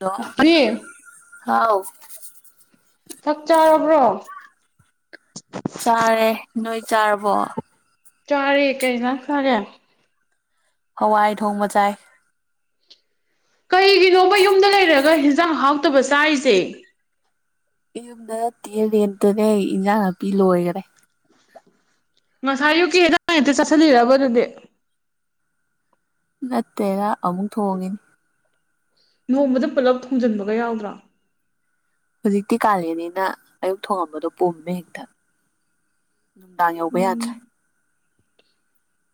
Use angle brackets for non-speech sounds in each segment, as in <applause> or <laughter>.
ꯂꯣ ꯔꯤ ꯍꯥꯎ ꯆꯛ ꯆꯥꯔꯕ꯭ꯔꯣ ꯆꯥꯔꯦ ꯅꯣꯏ ꯆꯥꯔꯕꯣ ꯆꯥꯔꯦ ꯀꯩ ꯑꯦꯟꯖꯥꯡ ꯆꯥꯒꯦ ꯍꯋꯥꯏ ꯊꯣꯡꯕ ꯆꯥꯏ ꯀꯩꯒꯤꯅꯣꯕ ꯌꯨꯝꯗ ꯂꯩꯔꯒ ꯍꯤꯟꯖꯥꯡ ꯑꯍꯥꯎꯇꯕ ꯆꯥꯏꯖꯦ ꯏꯌꯨꯝꯗ ꯅꯠꯇꯦ ꯔꯦꯟꯇꯅꯦ ꯏꯟꯖꯥꯡ ꯅꯥꯄꯤ ꯂꯣꯏꯒꯔꯦ ꯉꯁꯥꯏ ꯌꯨꯛꯀꯤ ꯍꯖꯥꯡ ꯍꯦꯛꯇ ꯆꯠꯁꯤꯜꯂꯤꯔꯕ ꯑꯗꯨꯗꯤ ꯅꯠꯇꯦꯔ ꯑꯃꯨꯛ ꯊꯣꯡꯉꯤꯅꯤ ꯅꯣꯡꯃꯗ ꯄꯨꯂꯞ ꯊꯣꯡꯖꯟꯕꯒ ꯌꯥꯎꯗ꯭ꯔꯥ ꯍꯧꯖꯤꯛꯇꯤ ꯀꯥꯂꯦꯟꯅꯤꯅ ꯑꯌꯨꯛ ꯊꯣꯡꯉꯝꯕꯗꯣ ꯄꯨꯝꯃꯦ ꯍꯦꯛꯇ ꯅꯨꯡꯗꯥꯡ ꯌꯧꯕ ꯌꯥꯗ꯭ꯔꯦ ꯎꯝ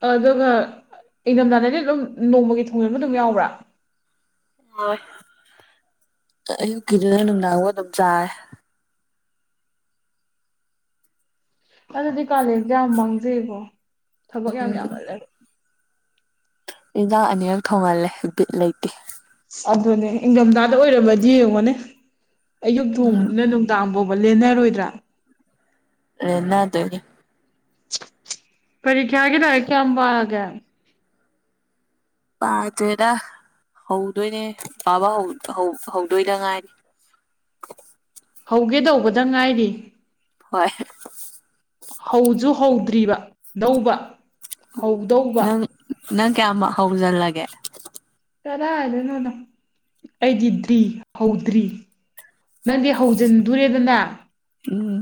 ꯑꯗꯨꯒ ꯏꯪꯗꯝꯗꯥꯗꯗꯤ ꯑꯗꯨꯝ ꯅꯣꯡꯃꯒꯤ ꯊꯣꯡꯖꯟꯕ ꯑꯗꯨꯝ ꯌꯥꯎꯕ꯭ꯔꯥ ꯌꯧꯋꯦ ꯑꯌꯨꯛꯀꯤꯗꯨꯅ ꯅꯨꯡꯗꯥꯡꯕꯧ ꯑꯗꯨꯝ ꯆꯥꯔꯦ ꯑꯗꯨꯗꯤ ꯀꯥꯂꯦꯟꯖꯦ ꯌꯥꯝ ꯃꯥꯡꯖꯩꯀꯣ ꯊꯕꯛ ꯌꯥꯝ ꯎꯝ ꯌꯥꯝꯃꯜꯂꯦꯕ ꯍꯤꯟꯗꯥꯛ ꯑꯅꯤꯔꯛ ꯊꯣꯡꯍꯜꯂꯦ ꯕꯤꯠ ꯂꯩꯇꯦ ꯑꯗꯨꯅꯦ ꯏꯪꯗꯝꯗꯥꯗ ꯑꯣꯏꯔꯝꯃꯗꯤ ꯌꯦꯡꯉꯣꯅꯦ ꯑꯌꯨꯛ ꯎꯝ ꯊꯣꯡꯕꯅꯤꯅ ꯑꯗꯨꯝ ꯗꯥꯡ ꯕꯧꯕ ꯂꯦꯟꯅꯔꯣꯏꯗ꯭ꯔꯥ ꯂꯦꯟꯅꯗꯣꯏꯅꯤ ꯄꯔꯤꯈꯌꯥꯒꯤ ꯂꯥꯏꯔꯤꯛ ꯀꯌꯥꯝ ꯄꯥꯔꯥꯒꯦ ꯄꯥꯗ꯭ꯔꯦꯗ ꯍꯧꯗꯣꯏꯅꯦ ꯄꯥꯕ ꯍꯧ ꯍꯧ ꯍꯧꯗꯣꯏꯗ ꯉꯥꯏꯔꯤ ꯍꯧꯒꯦ ꯇꯧꯕꯗ ꯉꯥꯏꯔꯤ ꯍꯣꯏ ꯍꯧꯖꯨ ꯍꯧꯗ꯭ꯔꯤꯕ ꯗꯧꯕ ꯍꯧꯗꯧꯕ ꯅꯪ ꯅꯪ ꯀꯌꯥꯝ ꯍꯧꯖꯜꯂꯒꯦ ꯆꯔꯥꯏꯗꯩꯅꯣꯗ ꯑꯩꯗꯤ ꯗ꯭ꯔꯤ ꯍꯧꯗ꯭ꯔꯤ ꯅꯪꯗꯤ ꯍꯧꯖꯤꯟꯗꯣꯔꯦꯗꯅ ꯎꯝ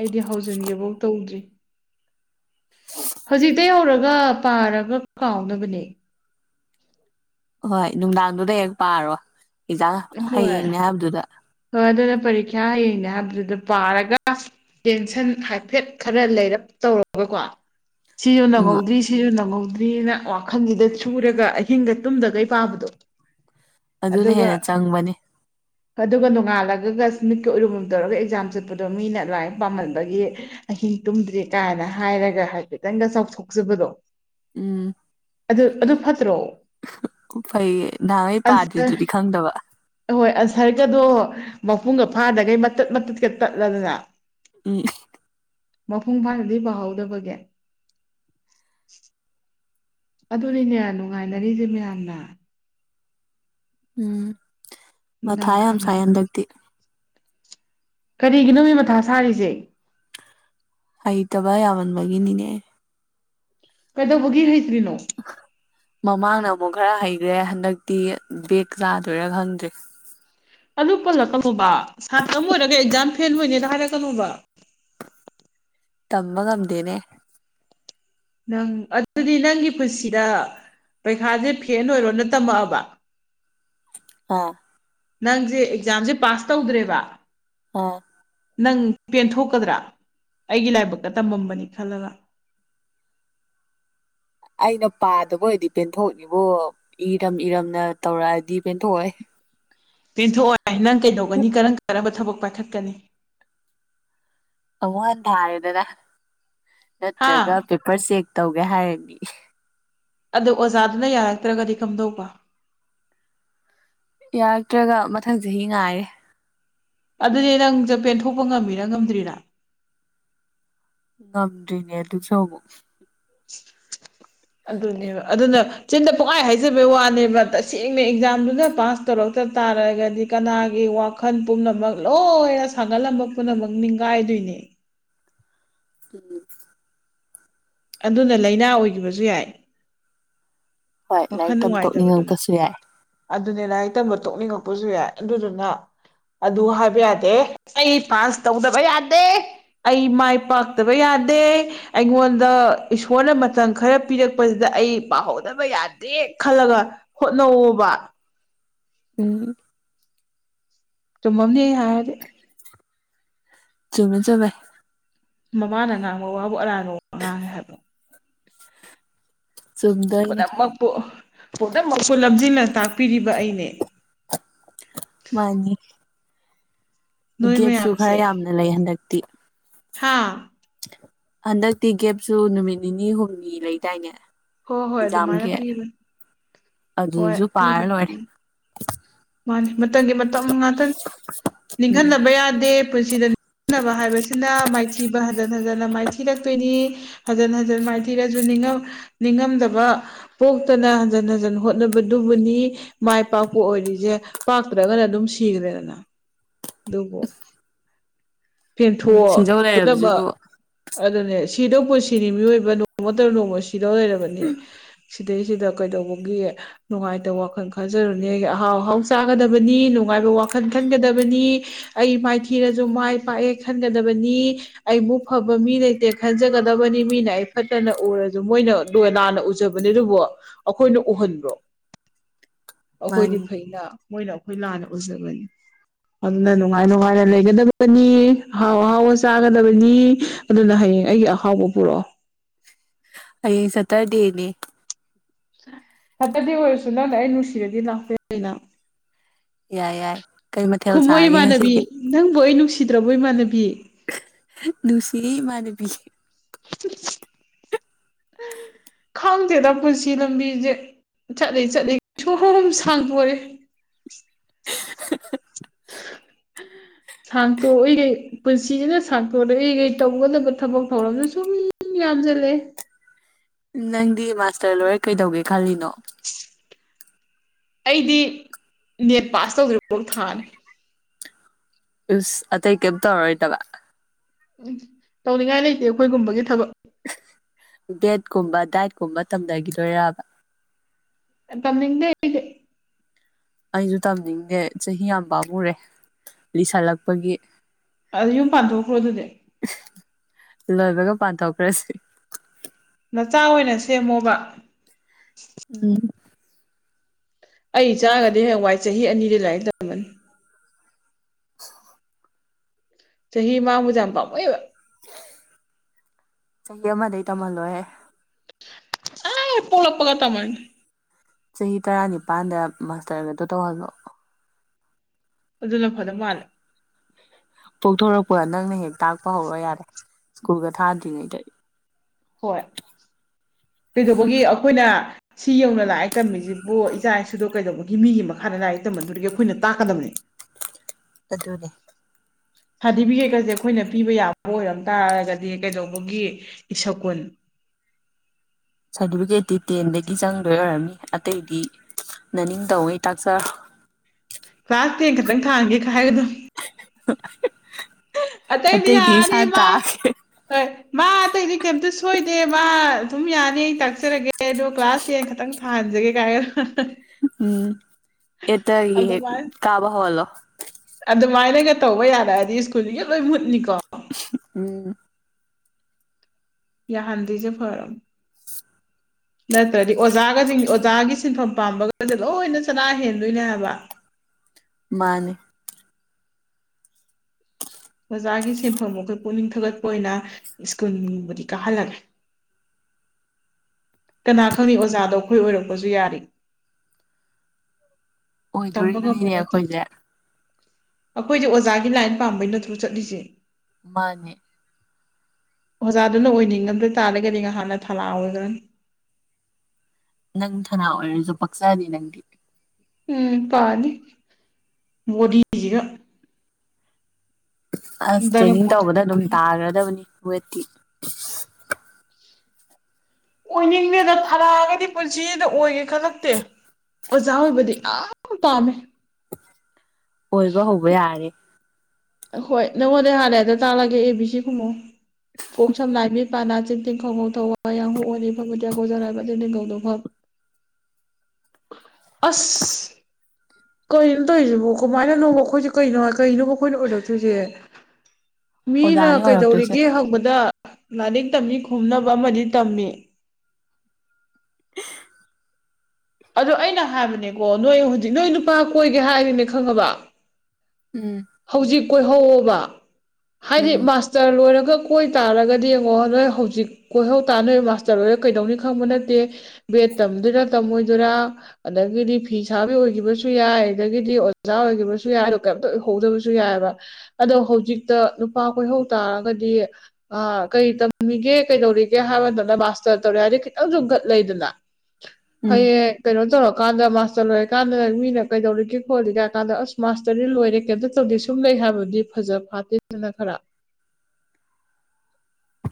ꯑꯩꯗꯤ ꯍꯧꯖꯟꯒꯦꯕꯧ ꯇꯧꯗ꯭ꯔꯤ ꯍꯧꯖꯤꯛꯇꯩ ꯍꯧꯔꯒ ꯄꯥꯔꯒ ꯀꯥꯎꯅꯕꯅꯦ ꯍꯣꯏ ꯅꯨꯡꯗꯥꯡꯗꯨꯗ ꯍꯦꯛ ꯄꯥꯔꯣ ꯑꯦꯛꯖꯥꯝ ꯍꯣꯏ ꯍꯌꯦꯡꯅꯦ ꯍꯥꯏꯕꯗꯨꯗ ꯍꯣꯏ ꯑꯗꯨꯅ ꯄꯔꯤꯈ꯭ꯌꯥ ꯍꯡꯅꯦ ꯍꯥꯏꯕꯗꯨꯗ ꯄꯥꯔꯒ ꯇꯦꯟꯁꯟ ꯍꯥꯏꯐꯦꯠ ꯈꯔ ꯂꯩꯔꯞ ꯇꯧꯔꯒꯀꯣ ꯁꯤꯁꯨ ꯎꯝ ꯅꯪꯍꯧꯗ꯭ꯔꯤꯁꯤ ꯁꯤꯁꯨ ꯅꯪꯍꯧꯗ꯭ꯔꯤꯅ ꯋꯥꯈꯜꯁꯤꯗ ꯆꯨꯔꯒ ꯑꯍꯤꯡꯒ ꯇꯨꯝꯗꯒꯩ ꯄꯥꯕꯗꯣ ꯑꯗꯨꯅ ꯑꯗꯨꯒ ꯍꯦꯟꯅ ꯆꯪꯕꯅꯦ ꯑꯗꯨꯒ ꯅꯣꯡꯉꯥꯜꯂꯒꯒ ꯑꯁ ꯃꯤꯠꯀ ꯎꯩꯔꯨꯔꯨꯝ ꯇꯧꯔꯒ ꯑꯦꯛꯖꯥꯝ ꯆꯠꯄꯗꯣ ꯃꯤꯅ ꯂꯥꯏꯔꯤꯛ ꯄꯥꯝꯍꯟꯕꯒꯤ ꯑꯍꯤꯡ ꯇꯨꯝꯗ꯭ꯔꯦ ꯀꯥꯏꯅ ꯍꯥꯏꯔꯒ ꯍꯥꯏꯐꯦꯠꯇꯪꯒ ꯆꯥꯎꯊꯣꯛꯆꯕꯗꯣ ꯎꯝ ꯑꯗꯨ ꯑꯗꯨ ꯐꯠꯇ꯭ꯔꯣ ꯐꯩꯌꯦ ꯅꯍꯥꯟꯒꯩ ꯄꯥꯗ꯭ꯔꯤꯗꯨꯗꯤ ꯈꯪꯗꯕ ꯑꯍꯣꯏ ꯑꯟꯁꯔꯀꯗꯣ ꯃꯄꯨꯡꯒ ꯐꯥꯗꯈꯩ ꯃꯇꯠ ꯃꯇꯠꯀ ꯇꯠꯂꯗꯅ ꯎꯝ ꯃꯄꯨꯡ ꯐꯥꯅꯗꯤ ꯄꯥꯍꯧꯗꯕꯒꯦ ꯑꯗꯨꯅꯤꯅꯦ ꯅꯨꯡꯉꯥꯏꯅꯔꯤꯁꯦ ꯃꯌꯥꯝꯅ ꯎꯝ ꯅꯪ ꯃꯊꯥ ꯌꯥꯝ ꯁꯥꯏ ꯈꯪꯗ꯭ꯔꯦ ꯍꯟꯗꯛꯇꯤ ꯀꯔꯤꯒꯤꯅꯣꯃꯦ ꯃꯊꯥ ꯁꯥꯔꯤꯁꯦ ꯍꯩꯇꯕ ꯌꯥꯃꯟꯕꯒꯤꯅꯤꯅꯦ ꯀꯩꯗꯧꯕꯒꯤ ꯍꯩꯇ꯭ꯔꯤꯅꯣ ꯃꯃꯥꯡꯅ ꯑꯃꯨꯛ ꯈꯔ ꯍꯩꯈ꯭ꯔꯦ ꯍꯟꯗꯛꯇꯤ ꯕꯦꯒ ꯆꯥꯗꯣꯏꯔꯥ ꯈꯪꯗ꯭ꯔꯦ ꯑꯗꯨ ꯄꯜꯂꯛꯀꯅꯣꯕ ꯁꯥꯇ꯭ꯔ ꯑꯃ ꯑꯣꯏꯔꯒ ꯑꯦꯛꯖꯥꯝ ꯐꯦꯜ ꯑꯣꯏꯅꯦꯅ ꯍꯥꯏꯔꯛꯀꯅꯣꯕ ꯇꯝꯕ ꯉꯝꯗꯦꯅꯦ ꯅꯪ ꯑꯗꯨꯗꯤ ꯅꯪꯒꯤ ꯄꯨꯟꯁꯤꯗ ꯄꯩꯈꯥꯁꯦ ꯐꯦꯟ ꯑꯣꯏꯔꯣꯅ ꯇꯝꯃꯛꯑꯕ ꯑꯥ ꯅꯪꯁꯦ ꯑꯦꯛꯖꯥꯝꯁꯦ ꯄꯥꯁ ꯇꯧꯗ꯭ꯔꯦꯕ ꯑꯣ ꯅꯪ ꯄꯦꯟꯊꯣꯛꯀꯗ꯭ꯔꯥ ꯑꯩꯒꯤ ꯂꯥꯏꯕꯛꯇ ꯇꯝꯃꯝꯕꯅꯤ ꯈꯜꯂꯒ ꯑꯩꯅ ꯄꯥꯗꯕ ꯑꯣꯏꯗꯤ ꯄꯦꯟꯊꯣꯛꯅꯤꯕꯣ ꯏꯔꯝ ꯏꯔꯝꯅ ꯇꯧꯔꯛꯑꯗꯤ ꯄꯦꯟꯊꯣꯛꯑꯣꯏ ꯄꯦꯟꯊꯣꯛꯑꯣꯏ ꯅꯪ ꯀꯩꯗꯧꯒꯅꯤ ꯀꯔꯝ ꯀꯔꯝꯕ ꯊꯕꯛ ꯄꯥꯏꯈꯠꯀꯅꯤ ꯑꯃꯨꯛ ꯍꯟ ꯊꯥꯔꯦꯗꯅ ꯍꯥ ꯅꯠꯇ꯭ꯔꯒ ꯄꯦꯄꯔ ꯆꯦꯛ ꯇꯧꯒꯦ ꯍꯥꯏꯔꯅꯤ ꯑꯗꯣ ꯑꯣꯖꯥꯗꯨꯅ ꯌꯥꯔꯛꯇ꯭ꯔꯒꯗꯤ ꯀꯝꯗꯧꯕ ꯌꯥꯔꯛꯇ꯭ꯔꯒ ꯃꯊꯪ ꯆꯍꯤ ꯉꯥꯏꯔꯦ ꯑꯗꯨꯗꯤ ꯅꯪꯖ ꯄꯦꯟꯊꯣꯛꯄ ꯉꯝꯃꯤꯔꯥ ꯉꯝꯗ꯭ꯔꯤꯅ ꯉꯝꯗ꯭ꯔꯤꯅꯦ ꯑꯗꯨꯁꯨ ꯑꯃꯨꯛ <inaudible> ꯑꯗꯨꯅꯦꯕ ꯑꯗꯨꯅ ꯆꯤꯟꯗ ꯄꯨꯡꯍꯥꯏ ꯍꯥꯏꯖꯕꯩ ꯋꯥꯅꯦꯕ ꯇꯁꯦꯡꯅ ꯑꯦꯛꯖꯥꯝꯗꯨꯅ ꯄꯥꯁ ꯇꯧꯔꯛꯇ ꯇꯥꯔꯒꯗꯤ ꯀꯅꯥꯒꯤ ꯋꯥꯈꯜ ꯄꯨꯝꯅꯃꯛ ꯂꯣꯏꯅ ꯁꯥꯥꯡꯒꯠꯂꯝꯕ ꯄꯨꯝꯅꯃꯛ ꯅꯤꯡꯒꯥꯏꯗꯣꯏꯅꯦ <unintelligible> ꯑꯗꯨꯅ ꯂꯩꯅꯥ ꯑꯣꯏꯈꯤꯕꯁꯨ ꯌꯥꯏ ꯍꯣꯏ ꯋꯥꯈꯜ ꯂꯥꯏꯔꯤꯛ ꯇꯝ ꯅꯨꯡꯉꯥꯏꯇꯕꯗꯨꯅ ꯇꯣꯛꯅꯤꯡꯉꯛꯄꯁꯨ ꯌꯥꯏ ꯑꯗꯨꯅꯦ ꯂꯥꯏꯔꯤꯛ ꯇꯝꯕ ꯇꯣꯛꯅꯤꯡꯉꯛꯄꯁꯨ ꯌꯥꯏ ꯑꯗꯨꯗꯨꯅ ꯑꯗꯨ ꯍꯥꯏꯕ ꯌꯥꯗꯦ ꯑꯩ ꯄꯥꯁ ꯇꯧꯗꯕ ꯌꯥꯗꯦ ꯑꯩ ꯃꯥꯏ ꯄꯥꯛꯇꯕ ꯌꯥꯗꯦ ꯑꯩꯉꯣꯟꯗ ꯏꯁꯣꯔꯅ ꯃꯇꯝ ꯈꯔ ꯄꯤꯔꯛꯄꯁꯤꯗ ꯑꯩ ꯄꯥꯍꯧꯗꯕ ꯌꯥ ꯗꯦ ꯈꯜꯂꯒ ꯍꯣꯠꯅꯧꯋꯣꯕ ꯎꯝ ꯆꯨꯝꯃꯝꯅꯤ ꯑꯩ ꯍꯥꯏꯔꯗꯤ <inaudible> ꯆꯨꯝꯃꯦ ꯆꯨꯝꯃꯦ ꯃꯃꯥꯅ ꯉꯥꯡꯕ ꯋꯥꯕꯨ ꯑꯔꯥꯟꯕ ꯋꯥ ꯉꯥꯡꯉꯦ ꯍꯥꯏꯕ꯭ꯔꯣ ꯆꯨꯝꯗꯣꯏꯅꯦ ꯄꯨꯝꯅꯃꯛꯄꯨ ꯄꯨꯝꯅꯃꯛꯄꯨ ꯂꯝꯖꯤꯡꯂ ꯇꯥꯛꯄꯤꯔꯤꯕ ꯑꯩꯅꯦ ꯃꯥꯟꯅꯤ ꯅꯣꯏ ꯒꯦꯞꯁꯨ ꯈꯔ ꯌꯥꯝꯅ ꯂꯩ ꯍꯟꯗꯛꯇꯤ ꯍꯥꯥ ꯍꯟꯗꯛꯇꯤ ꯒꯦꯞꯁꯨ ꯅꯨꯃꯤꯠ ꯅꯤꯅꯤ ꯍꯨꯝꯅꯤ ꯂꯩꯗꯥꯏꯅꯦ ꯍꯣ ꯍꯣꯏ ꯑꯗꯨꯃꯥꯏꯅ ꯑꯦꯛꯖꯥꯝꯒꯤ ꯄꯤꯕꯅꯤ ꯍꯣꯏ ꯑꯗꯨꯁꯨ ꯄꯤꯕ ꯄꯥꯔ ꯂꯣꯏꯔꯦ ꯅꯨꯃꯤꯠꯅꯤ ꯃꯥꯅꯦ ꯃꯇꯝꯒꯤ ꯃꯇꯝ ꯉꯥꯛꯇꯅꯤ ꯎꯝ ꯅꯤꯡꯍꯟꯅꯕ ꯌꯥꯗꯦ ꯄꯨꯟꯁꯤꯗ ꯅꯤꯡꯍꯟꯅꯕ ꯍꯥꯏꯕꯁꯤꯅ ꯃꯥꯏꯊꯤꯕ ꯍꯟꯖꯤꯟ ꯍꯟꯖꯤꯟꯅ ꯃꯥꯏꯊꯤꯔꯛꯇꯣꯏꯅꯤ ꯍꯟꯖꯤꯟ ꯍꯟꯖꯤꯟ ꯃꯥꯏꯊꯤꯔꯁꯨ ꯅꯤꯡꯉꯝ ꯅꯤꯡꯉꯝꯗꯕ ꯄꯣꯛꯇꯅ ꯍꯟꯖꯤꯟ ꯍꯟꯖꯤꯟ ꯍꯣꯠ ꯍꯣꯠꯅꯕꯗꯨꯕꯨꯅꯤ ꯃꯥꯏ ꯄꯥꯛꯄ ꯑꯣꯏꯔꯤꯖꯦ ꯄꯥꯛꯇ꯭ꯔꯒꯅ ꯑꯗꯨꯝ ꯁꯤꯒ꯭ꯔꯦꯗꯅ ꯑꯗꯨꯕꯨ ꯎꯝ ꯄꯦꯟꯊꯣꯛꯑꯣ ꯁꯤꯡꯖꯧ ꯄꯨꯅꯃꯛ ꯂꯩꯔꯕꯁꯤꯕꯨ ꯑꯗꯨꯅꯦ ꯁꯤꯗꯧ ꯄꯨꯟꯁꯤꯅꯤ ꯃꯤꯑꯣꯏꯕ ꯅꯣꯡꯃ ꯅꯠꯇ꯭ꯔ ꯅꯣꯡꯃ ꯁꯤꯗꯧ ꯂꯩꯔꯕꯅꯤ ꯁꯤꯗꯩꯁꯤꯗ ꯀꯩꯗꯧꯕꯒꯤ ꯅꯨꯡꯉꯥꯏꯇꯕ ꯋꯥꯈꯟ ꯈꯟꯖꯔꯨꯅꯦꯒꯦ ꯑꯍꯥꯎ ꯑꯍꯥꯎ ꯆꯥꯒꯗꯕꯅꯤ ꯅꯨꯡꯉꯥꯏꯕ ꯋꯥꯈꯟ ꯈꯟꯒꯗꯕꯅꯤ ꯑꯩ ꯃꯥꯏꯊꯤꯔꯁꯨ ꯃꯥꯏ ꯄꯥꯛꯑꯦ ꯈꯟꯒꯗꯕꯅꯤ ꯑꯩꯃꯨꯛ ꯐꯕ ꯃꯤ ꯂꯩꯇꯦ ꯈꯟꯖꯒꯗꯕꯅꯤ ꯃꯤꯅ ꯑꯩ ꯐꯠꯇꯅ ꯎꯔꯖꯨ ꯃꯣꯏꯅ ꯂꯣꯏ ꯂꯥꯟꯅ ꯎꯖꯕꯅꯦ ꯑꯗꯨꯕꯨ ꯑꯈꯣꯏꯅ ꯎꯍꯟꯕ꯭ꯔꯣ ꯑꯈꯣꯏꯗꯤ ꯃꯥꯅꯤ ꯐꯩꯅ ꯃꯣꯏꯅ ꯑꯩꯈꯣꯏ ꯂꯥꯟꯅ ꯎꯖꯕꯅꯤ ꯑꯗꯨꯅ ꯅꯨꯡꯉꯥꯏ ꯅꯨꯡꯉꯥꯏꯅ ꯂꯩꯒꯗꯕꯅꯤ ꯑꯍꯥꯎ ꯑꯍꯥꯎꯕ ꯆꯥꯒꯗꯕꯅꯤ ꯑꯗꯨꯅ ꯍꯌꯦꯡ ꯑꯩꯒꯤ ꯑꯍꯥꯎꯕ ꯄꯨꯔꯛꯑꯣ ꯍꯌꯦꯡ ꯁꯇ꯭ꯔꯗꯦꯅꯤ ꯁꯇ꯭ꯔꯗꯦ ꯑꯣꯏꯔꯁꯨ ꯅꯪꯅ ꯑꯩ ꯅꯨꯡꯁꯤꯔꯗꯤ ꯂꯥꯛꯄ ꯌꯥꯏꯅ ꯌꯥꯏ ꯌꯥꯏ ꯀꯩ ꯃꯊꯦꯜ ꯈꯨꯝꯃꯣ ꯆꯥꯔꯒꯦ ꯏꯃꯥꯟꯅꯕꯤ ꯉꯁꯤꯗꯤ ꯅꯪꯕꯨ ꯑꯩ ꯅꯨꯡꯁꯤꯗ꯭ꯔꯕꯣ ꯏꯃꯥꯟꯅꯕꯤ ꯅꯨꯡꯁꯤꯌꯦ ꯏꯃꯥꯟꯅꯕꯤ <inaudible> ꯈꯪꯗꯦꯗ ꯄꯨꯟꯁꯤ ꯂꯝꯕꯤꯖꯦ ꯆꯠꯂꯤ ꯆꯠꯂꯤ ꯁꯨꯍꯨꯝ ꯁꯥꯡꯗꯣꯔꯛꯑꯦ <inaudible> ꯎꯝ <unintelligible> ꯁꯥꯡꯇꯣꯛꯏꯒꯩ ꯄꯨꯟꯁꯤꯖꯤꯅ ꯁꯥꯡꯇꯣꯔꯛꯏꯒꯩ ꯇꯧꯒꯗꯕ ꯊꯕꯛ ꯊꯧꯔꯝꯖꯨ ꯁꯨꯝ ꯌꯥꯝꯖꯤꯜꯂꯛꯑꯦ ꯅꯪꯗꯤ ꯃꯥꯁꯇ꯭ꯔ ꯂꯣꯏꯔ ꯀꯩꯗꯧꯒꯦ ꯈꯜꯂꯤꯅꯣ <inaudible> ꯑꯩꯗꯤ ꯅꯦꯠ ꯄꯥꯁ ꯇꯧꯗ꯭ꯔꯤꯐꯥꯎ ꯊꯥꯅꯤ ꯎꯁ ꯑꯇꯩ ꯀꯩꯝ ꯇꯧꯔꯔꯣꯏꯗꯕ ꯎꯝ ꯇꯧꯅꯤꯡꯉꯥꯏ ꯂꯩꯇꯦ ꯑꯈꯣꯏꯒꯨꯝꯕꯒꯤ ꯊꯕꯛ ꯕꯦꯠꯀꯨꯝꯕ ꯗꯥꯏꯠ ꯀꯨꯝꯕ ꯇꯝꯗꯒꯤꯗꯣꯏꯔꯕ ꯑ ꯇꯝꯅꯤꯡꯗꯦ ꯑꯩꯗꯤ ꯑꯩꯖꯨ ꯇꯝꯅꯤꯡꯗꯦ ꯆꯍꯤ ꯌꯥꯝ ꯄꯥꯝꯃꯨꯔꯦ ꯂꯤꯁꯜꯂꯛꯄꯒꯤ ꯑꯗꯨ ꯌꯨꯝ ꯄꯥꯟꯊꯣꯛꯈ꯭ꯔꯣ ꯑꯗꯨꯗꯤ ꯂꯣꯏꯕꯒ ꯄꯥꯟꯊꯣꯛꯈ꯭ꯔꯁꯤ ꯅꯆꯥ ꯑꯣꯏꯅ ꯁꯦꯝꯃꯣꯕ ꯎꯝ ꯑꯩ ꯏꯆꯥꯒꯗꯤ ꯍꯌꯦꯡꯋꯥꯏ ꯆꯍꯤ ꯑꯅꯤꯗꯩ ꯂꯥꯏꯔꯤꯛ ꯇꯝꯃꯅꯤ <inaudible> ꯆꯍꯤ ꯃꯥꯡꯕꯖꯦ ꯌꯥꯝ ꯄꯥꯝꯃꯨꯏꯑꯕ ꯆꯍꯤ ꯑꯃꯗꯩ ꯇꯝꯍꯜꯂꯣꯍꯦ ꯍꯦꯛ ꯄꯣꯛꯂꯛꯄꯒ ꯇꯝꯍꯟꯒꯦ ꯆꯍꯤ ꯇꯔꯥꯅꯤꯄꯥꯟꯗ ꯃꯥꯁꯇ꯭ꯔꯒꯗꯣ ꯇꯧꯍꯜꯂꯣ ꯑꯗꯨꯅ ꯐꯗꯧ ꯃꯥꯜꯂꯦ ꯄꯣꯛꯊꯣꯔꯛꯄꯒ ꯅꯪꯅ ꯍꯦꯛ ꯇꯥꯛꯄ ꯍꯧꯔꯣ ꯌꯥꯔꯦ ꯁ꯭ꯀꯨꯜꯒ ꯊꯥꯗ꯭ꯔꯤꯉꯩꯗ ꯍꯣꯏ ꯀꯩꯗꯧꯕꯒꯤ ꯑꯩꯈꯣꯏꯅ ꯁꯤ ꯌꯧꯅ ꯂꯥꯏꯔꯤꯛ ꯇꯝꯃꯤꯁꯤꯕꯣ ꯏꯆꯥ ꯏꯁꯨꯗꯣ ꯀꯩꯗꯧꯕꯒꯤ ꯃꯤꯒꯤ ꯃꯈꯥꯗ ꯂꯥꯏꯔꯤꯛ ꯇꯃꯟꯗꯒ ꯑꯩꯈꯣꯏꯅ ꯇꯥꯛꯀꯗꯕꯅꯦ ꯑꯗꯨꯅꯦ ꯁꯥꯔꯇꯤꯐꯤꯀꯦꯠꯀꯁꯦ ꯑꯩꯈꯣꯏꯅ ꯄꯤꯕ ꯌꯥꯕ ꯑꯣꯏꯔꯝ ꯇꯥꯔꯒꯗꯤ ꯀꯩꯗꯧꯕꯒꯤ ꯏꯁꯀꯨꯟ ꯁꯥꯔꯇꯤꯐꯤꯀꯦꯠꯇꯤ ꯇꯦꯟꯗꯒꯤ ꯆꯪꯗꯣꯏ ꯑꯣꯏꯔꯝꯃꯤ ꯑꯇꯩꯗꯤ ꯅꯅꯤꯡ ꯇꯧꯒꯩ ꯇꯥꯛꯆꯔꯣ ꯀ꯭ꯂꯥꯁ ꯇꯦꯟ ꯈꯛꯇꯪ ꯊꯥꯡꯒꯦꯒ ꯍꯥꯏꯒꯗꯕꯅꯦ ꯑꯇꯩꯗꯤ ꯌꯥꯔꯅꯤ ꯏꯁꯥꯅ ꯃꯥ ꯇꯥꯛ ꯑꯒꯦ ꯍꯣꯏ ꯃꯥ ꯑꯇꯩꯗꯤ ꯀꯩꯝꯇ ꯁꯣꯏꯗꯦ ꯃꯥ ꯑꯗꯨꯝ ꯌꯥꯅꯤ ꯑꯩ ꯇꯥꯛꯆꯔꯒꯦ ꯑꯦꯗꯣ ꯀ꯭ꯂꯥꯁ ꯇꯦꯟ ꯈꯛꯇꯪ ꯊꯥꯍꯟꯖꯒꯦ ꯀꯥꯏ ꯎꯝ ꯑꯦꯠꯇꯒꯤ ꯑꯗꯨꯃꯥꯏ ꯀꯥꯕ ꯍꯧꯍꯟꯂꯣ ꯑꯗꯨꯃꯥꯏꯅꯒ ꯇꯧꯕ ꯌꯥꯔꯛꯑꯗꯤ ꯁ꯭ꯀꯨꯜꯗꯨꯒ ꯂꯣꯏ ꯃꯨꯠꯅꯤꯀꯣ ꯎꯝ ꯌꯥꯍꯥꯟꯗꯔ꯭ꯤꯁꯦ ꯐꯔꯕꯅꯦ ꯅꯠꯇ꯭ꯔꯗꯤ ꯑꯣꯖꯥꯒ ꯑꯣꯖꯥꯒꯤ ꯁꯤꯟꯐꯝ ꯄꯥꯝꯕꯒꯁꯦ ꯂꯣꯏꯅ ꯆꯅꯥ ꯍꯦꯟꯗꯣꯏꯅꯦ ꯍꯥꯏꯕ ꯃꯥꯅꯦ ꯑꯣꯖꯥꯒꯤ ꯁꯤꯟꯐꯝꯕꯨ ꯑꯩꯈꯣꯏ ꯄꯨꯛꯅꯤꯡ ꯊꯧꯒꯠꯄ ꯑꯣꯏꯅ ꯁ꯭ꯀꯨꯜꯕꯨꯗꯤ ꯀꯥꯍꯜꯂꯒꯦ ꯀꯅꯥ ꯈꯪꯅꯤ ꯑꯣꯖꯥꯗꯣ ꯑꯩꯈꯣꯏ ꯑꯣꯏꯔꯛꯄꯁꯨ ꯌꯥꯔꯤ ꯇꯝꯕ ꯉꯝꯕꯥ ꯑꯣꯏꯗꯣꯔꯤꯕꯅꯤꯅꯦ ꯅꯠꯇꯦ ꯑꯩꯈꯣꯏꯁꯦ ꯑꯩꯈꯣꯏꯖꯦ ꯑꯣꯖꯥꯒꯤ ꯂꯥꯏꯟ ꯄꯥꯝꯕꯩ ꯅꯠꯇ꯭ꯔꯣ ꯆꯠꯂꯤꯁꯦ ꯃꯥꯅꯦ ꯑꯣꯖꯥꯗꯨꯅ ꯑꯣꯏꯅꯤꯡꯉꯝꯗ ꯇꯥꯔꯒꯗꯤ ꯉꯍꯥꯟꯅ ꯊꯥꯂ ꯑꯣꯒ꯭ꯔꯅꯤ ꯅꯪ ꯊꯅꯥ ꯑꯣꯏꯔꯁꯨ ꯄꯛꯆꯅꯤ ꯅꯪꯗꯤ ꯎꯝ ꯄꯥꯅꯤ ꯕꯣꯗꯤꯁꯤꯒ ꯑꯁ ꯗꯔꯝ ꯇꯔ꯭ꯦꯅꯤꯡ ꯃꯈꯜ ꯇꯧꯕꯗ ꯑꯗꯨꯝ ꯑꯃꯅꯤ ꯇꯥꯒ꯭ꯔꯗꯕꯅꯤ ꯋꯦꯠꯇꯤ ꯑꯣꯏꯅꯤꯡꯉꯦꯗ ꯊꯥꯔ ꯒꯗꯤ ꯄꯨꯟꯁꯤꯗ ꯑꯣꯏꯒꯦ ꯈꯜꯂꯛꯇꯦ ꯑꯣꯖꯥ ꯑꯣꯏꯕꯗꯤ ꯌꯥꯝ ꯄꯥꯝꯃꯦ ꯑꯣꯏꯕ ꯍꯧꯕ ꯌꯥꯔꯦ ꯑꯩꯈꯣꯏ ꯅꯉꯣꯟꯗꯩ ꯍꯥꯟꯅ ꯇꯥꯛꯂꯒꯦ ꯑꯦ ꯕꯤ ꯁꯤ ꯈꯨꯝꯃꯨ ꯀꯣꯛ ꯁꯝ ꯅꯏ ꯃꯤ ꯥꯄꯅꯖꯤꯟꯗꯤꯟ ꯒꯧ ꯉꯧ ꯊꯧ <unintelligible> ꯑꯁ ꯀꯔꯤꯅꯣ ꯇꯧꯔꯤꯁꯤꯕꯨ ꯀꯃꯥꯏꯅꯣꯃ ꯑꯩꯈꯣꯏꯁꯦ ꯀꯩꯅꯣ ꯀꯔꯤꯅꯣ ꯑꯩꯈꯣꯏꯅ ꯑꯣꯏꯔꯛꯇꯣꯏꯁꯦ ꯃꯤꯅ ꯑꯣꯖꯥꯅꯤ ꯑꯣꯏꯔꯛꯇꯣꯏꯁꯦ ꯀꯩꯗꯧꯔꯤꯒꯦ ꯍꯪꯕꯗ ꯂꯥꯏꯔꯤꯛ ꯇꯝꯃꯤ ꯈꯨꯝꯅꯕ ꯑꯃꯗꯤ ꯇꯝꯃꯤ ꯑꯗꯣ ꯑꯩꯅ ꯍꯥꯏꯕꯅꯦꯀꯣ ꯅꯣꯏ ꯍꯧꯖꯤꯛ ꯅꯣꯏ ꯅꯨꯄꯥ ꯀꯣꯏꯒꯦ ꯍꯥꯏꯔꯤꯅꯦ ꯈꯪꯉꯕ ꯎꯝ ꯍꯧꯖꯤꯛ ꯀꯣꯏꯍꯧꯕ ꯍꯥꯏꯗꯤ ꯎꯝ ꯃꯥꯁ ꯇꯔ ꯂꯣꯏꯔꯒ ꯀꯣꯏ ꯇꯥꯔꯒꯗꯤ ꯌꯦꯡꯉꯣ ꯅꯣꯏ ꯍꯧꯖꯤꯛ ꯀꯣꯏꯍꯧ ꯇꯥꯔꯗꯤ ꯅꯣꯏ ꯃꯥꯁꯇꯔ ꯑꯣꯏꯔꯒ ꯀꯩꯗꯧꯅꯤ ꯈꯪꯕ ꯅꯠꯇꯦ ꯕꯦꯠ ꯇꯝꯗꯣꯏꯔꯥ ꯇꯝꯃꯣꯏꯗꯣꯏꯔ ꯑꯗꯒꯤꯗꯤ ꯐꯤ ꯁꯥꯕꯤ ꯑꯣꯏꯈꯤꯕꯁꯨ ꯌꯥꯏ ꯑꯗꯒꯤꯗꯤ ꯑꯣꯖꯥ ꯑꯣꯏꯈꯤꯕꯁꯨ ꯌꯥꯏ ꯑꯗ ꯀꯔꯤꯝꯇ ꯍꯧꯗꯕꯁꯨ ꯌꯥꯏꯕ ꯑꯗꯣ ꯍꯧꯖꯤꯛꯇ ꯅꯨꯄꯥ ꯀꯣꯏꯍꯧ ꯇꯥꯔꯒꯗꯤ ꯑ ꯀꯩ ꯇꯝꯃꯤꯒꯦ ꯀꯩꯗꯧꯔꯤꯒꯦ ꯍꯥꯏꯕ ꯃꯇꯝꯗ ꯃꯥꯁꯇꯔ ꯇꯧꯔꯦ ꯍꯥꯏꯔꯗꯤ ꯈꯤꯇꯪꯁꯨꯨ ꯒꯠ ꯂꯩꯗꯅ ꯎꯝ ꯍꯣꯏꯌꯦꯡ ꯀꯩꯅꯣ ꯇꯧ ꯀꯥꯟꯗ ꯃꯥꯁꯇꯔ ꯂꯣꯏꯔ ꯀꯥꯟꯗ ꯃꯤꯅ ꯀꯩꯗꯧꯔꯤꯒꯦ ꯈꯣꯠꯂꯤꯒꯦ ꯍꯥꯏꯔ ꯀꯥꯟꯗ ꯑꯁ ꯃꯥꯁꯇꯔꯗꯤ ꯂꯣꯏꯔꯦ ꯀꯩꯝꯇ ꯇꯧꯗꯦ ꯁꯨꯝ ꯂꯩ ꯍꯥꯏꯕꯗꯤ ꯐꯖ ꯐꯥꯠꯇꯦꯗꯅ ꯈꯔ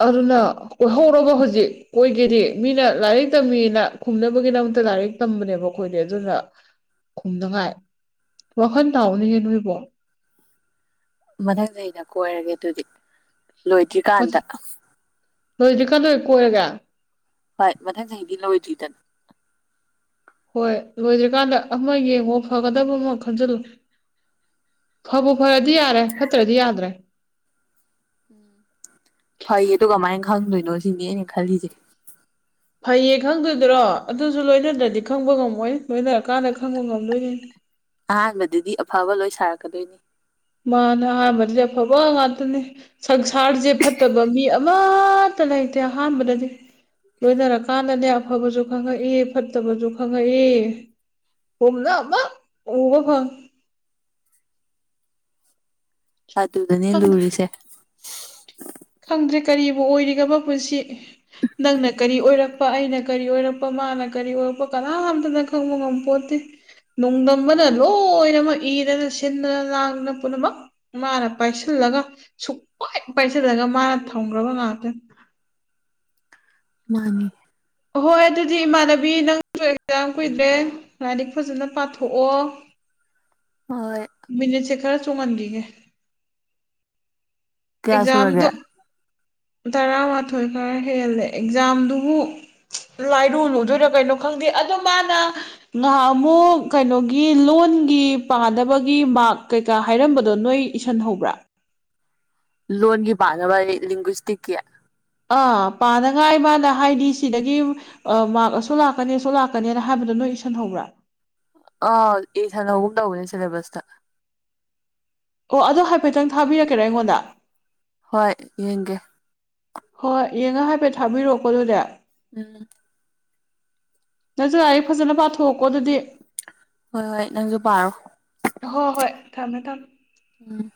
ꯑꯗꯨꯅ ꯀꯣꯏꯍꯧꯔꯣꯕ ꯍꯧꯖꯤꯛ ꯀꯣꯏꯒꯦꯗꯤ ꯃꯤꯅ ꯂꯥꯏꯔꯤꯛ ꯇꯝꯃꯤꯅ ꯈꯨꯝꯅꯕꯒꯤꯗꯃꯛꯇ ꯂꯥꯏꯔꯤꯛ ꯇꯝꯕꯅꯦꯕ ꯑꯩꯈꯣꯏꯗꯤ ꯑꯗꯨꯅ ꯅꯨꯉꯥꯏ ꯋꯥꯈꯜ ꯇꯥꯎꯅꯦꯍꯦ ꯅꯣꯏꯕꯣ ꯃꯊꯪ ꯆꯍꯤꯗ ꯀꯣꯏꯔꯒꯦ ꯑꯗꯨꯗꯤ ꯂꯣꯏꯗ꯭ꯔꯤ ꯀꯥꯟꯗ ꯂꯣꯏꯗꯔꯤ ꯀꯜꯗ ꯑꯣꯏꯅ ꯀꯣꯏꯔꯒ ꯍꯣꯏ ꯃꯊꯪ ꯆꯍꯤꯗꯤ ꯂꯣꯏꯗ꯭ꯔꯤꯗꯅ ꯍꯣꯏ ꯂꯣꯏꯗ꯭ꯔꯤꯀꯥꯟꯗ ꯑꯃ ꯌꯦꯡꯉꯣ ꯐꯒꯗꯕ ꯑꯃ ꯈꯟꯖꯜꯂꯨ ꯐꯕꯨ ꯐꯔꯗꯤ ꯌꯥꯔꯦ ꯐꯠꯇ꯭ꯔꯗꯤ ꯌꯥꯗ꯭ꯔꯦ ꯎꯝ ꯐꯩꯌꯦꯗꯨ ꯀꯃꯥꯏꯅ ꯈꯪꯗꯣꯏꯅꯣ ꯁꯤꯅꯤ ꯑꯩꯅ ꯈꯜꯂꯤꯖꯦ ꯐꯩꯌꯦ ꯈꯪꯗꯣꯏꯗꯔꯣ ꯑꯗꯨꯁꯨ ꯂꯣꯏꯅꯗ꯭ꯔꯗꯤ ꯈꯪꯕ ꯉꯝꯃꯣꯏ ꯂꯣꯏꯅꯔꯀꯥꯟꯗ ꯈꯪꯕ ꯉꯝꯗꯣꯏꯅꯦꯅꯤ ꯑꯍꯥꯟꯕꯗꯗꯤ ꯑꯐꯕ ꯂꯣꯏ ꯁꯥꯔꯛꯀꯗꯣꯏꯅꯤ ꯃꯥꯅꯦ ꯑꯍꯥꯟꯕꯗꯗꯤ ꯑꯐꯕ ꯉꯥꯛꯇꯅꯤ ꯁꯪꯁꯥꯔꯖꯦ ꯐꯠꯇꯕ ꯃꯤ ꯑꯃꯠꯇ ꯂꯩꯇꯦ ꯑꯍꯥꯟꯕꯗꯗꯤ ꯂꯣꯏꯅꯔꯀꯥꯟꯗꯅꯦ ꯑꯐꯕꯖꯨ ꯈꯪꯉꯛꯏ ꯐꯠꯇꯕꯖꯨ ꯈꯪꯉꯛꯏ ꯄꯨꯝꯅꯃꯛ ꯎꯕ ꯐꯪꯏ ꯑꯗꯨꯗꯅꯦ ꯈꯪꯗ꯭ꯔꯦ ꯂꯨꯔꯤꯁꯦ ꯈꯪꯗ꯭ꯔꯦ ꯀꯔꯤꯕꯨ ꯑꯣꯏꯔꯤꯒꯕ ꯄꯨꯟꯁꯤ ꯅꯪꯅ ꯀꯔꯤ ꯑꯣꯏꯔꯛ ꯑꯩꯅ ꯀꯔꯤ ꯑꯣꯏꯔꯛꯄ ꯃꯥꯅ ꯀꯔꯤ ꯑꯣꯏꯔꯛꯄ ꯀꯅꯥꯝꯇꯅ ꯈꯪꯕ ꯉꯝꯕ ꯄꯣꯠꯇꯦ ꯅꯣꯡꯗꯝꯝꯕꯅ ꯂꯣꯏꯅꯃꯛ ꯏꯔꯅ ꯁꯤꯟꯗꯅ ꯂꯥꯡꯗꯅ ꯄꯨꯝꯅꯃꯛ ꯃꯥꯅ ꯄꯥꯏꯁꯤꯜꯂꯒ ꯁꯨꯛꯄꯥꯏ ꯄꯥꯏꯁꯤꯜꯂꯒ ꯃꯥꯅ ꯊꯝꯒ꯭ꯔꯕ ꯉꯥꯛꯇꯅꯤ ꯃꯥꯅꯦ ꯑꯍꯣꯏ ꯑꯗꯨꯗꯤ ꯏꯃꯥꯟꯅꯕꯤ ꯅꯪꯖꯨ ꯑꯦꯛꯖꯥꯝ ꯀꯨꯏꯗ꯭ꯔꯦ ꯂꯥꯏꯔꯤꯛ ꯐꯖꯅ ꯄꯥꯊꯣꯛꯑꯣ ꯍꯣꯏ ꯃꯤꯅꯤꯠꯖꯦ ꯈꯔ ꯆꯣꯡꯍꯟꯒꯤꯒꯦ ꯀꯌꯥ ꯑꯦꯛꯖꯥꯝꯗꯣ ꯁꯨꯔꯒꯦ ꯇꯔꯥꯃꯥꯊꯣꯏ ꯈꯔ ꯍꯦꯜꯂꯦ ꯑꯦꯛꯖꯥꯝꯗꯨꯕꯨ ꯂꯥꯏꯔꯨꯂꯨꯗꯣꯏꯔ ꯀꯩꯅꯣ ꯈꯪꯗꯦ ꯑꯗꯣ ꯃꯥꯅ ꯉꯍꯥꯟꯃꯨꯛ ꯀꯩꯅꯣꯒꯤ ꯂꯣꯟꯒꯤ ꯄꯥꯟꯅꯕꯒꯤ ꯃꯥꯔꯛ ꯀꯩꯀꯥ ꯍꯥꯏꯔꯝꯕꯗꯣ ꯅꯣꯏ ꯏꯁꯟ ꯍꯧꯕ꯭ꯔꯥ ꯂꯣꯟꯒꯤ ꯄꯥꯟꯅꯕ ꯂꯤꯡꯒ꯭ꯋꯤꯁꯇꯤꯛꯀꯤ ꯑꯥ ꯄꯥꯅꯉꯥꯏ ꯃꯥꯅ ꯍꯥꯏꯗꯤ ꯁꯤꯗꯒꯤ ꯃꯥꯥꯛ ꯑꯁꯨꯛ ꯂꯥꯛꯀꯅꯤ ꯑꯁꯨꯛ ꯂꯥꯛꯀꯅꯤꯅ ꯍꯥꯏꯕꯗꯣ ꯅꯣꯏ ꯏꯁꯁꯤꯟꯍꯧꯕ꯭ꯔꯥ ꯑ ꯢꯁꯟꯍꯧꯒꯨꯝ ꯇꯧꯕꯅꯦ ꯁꯤꯂꯦꯕꯁꯇ ꯑꯣ ꯑꯗꯣ ꯍꯥꯏꯐꯦꯠꯇꯪ ꯊꯥꯕꯤꯔꯛꯀꯦꯔꯥ ꯑꯩꯉꯣꯟꯗ ꯍꯣꯏ ꯌꯦꯡꯒꯦ ꯍꯣꯏ ꯌꯦꯡꯉꯣ ꯍꯥꯏꯐꯦꯠ ꯊꯥꯕꯤꯔꯛꯑꯣꯀꯣ ꯑꯗꯨꯗꯤ ꯅꯪꯅ ꯅꯖꯨ ꯂꯥꯏꯔꯤꯛ ꯐꯖꯅ ꯄꯥꯊꯣꯛꯑꯣꯀꯣ ꯑꯗꯨꯗꯤ ꯍꯣꯏ ꯍꯣꯏ ꯅꯪꯖꯨ ꯄꯥꯔꯣ ꯍꯣꯏ ꯍꯣꯏ ꯊꯝꯃꯦ ꯊꯝꯃꯦ ꯎꯝ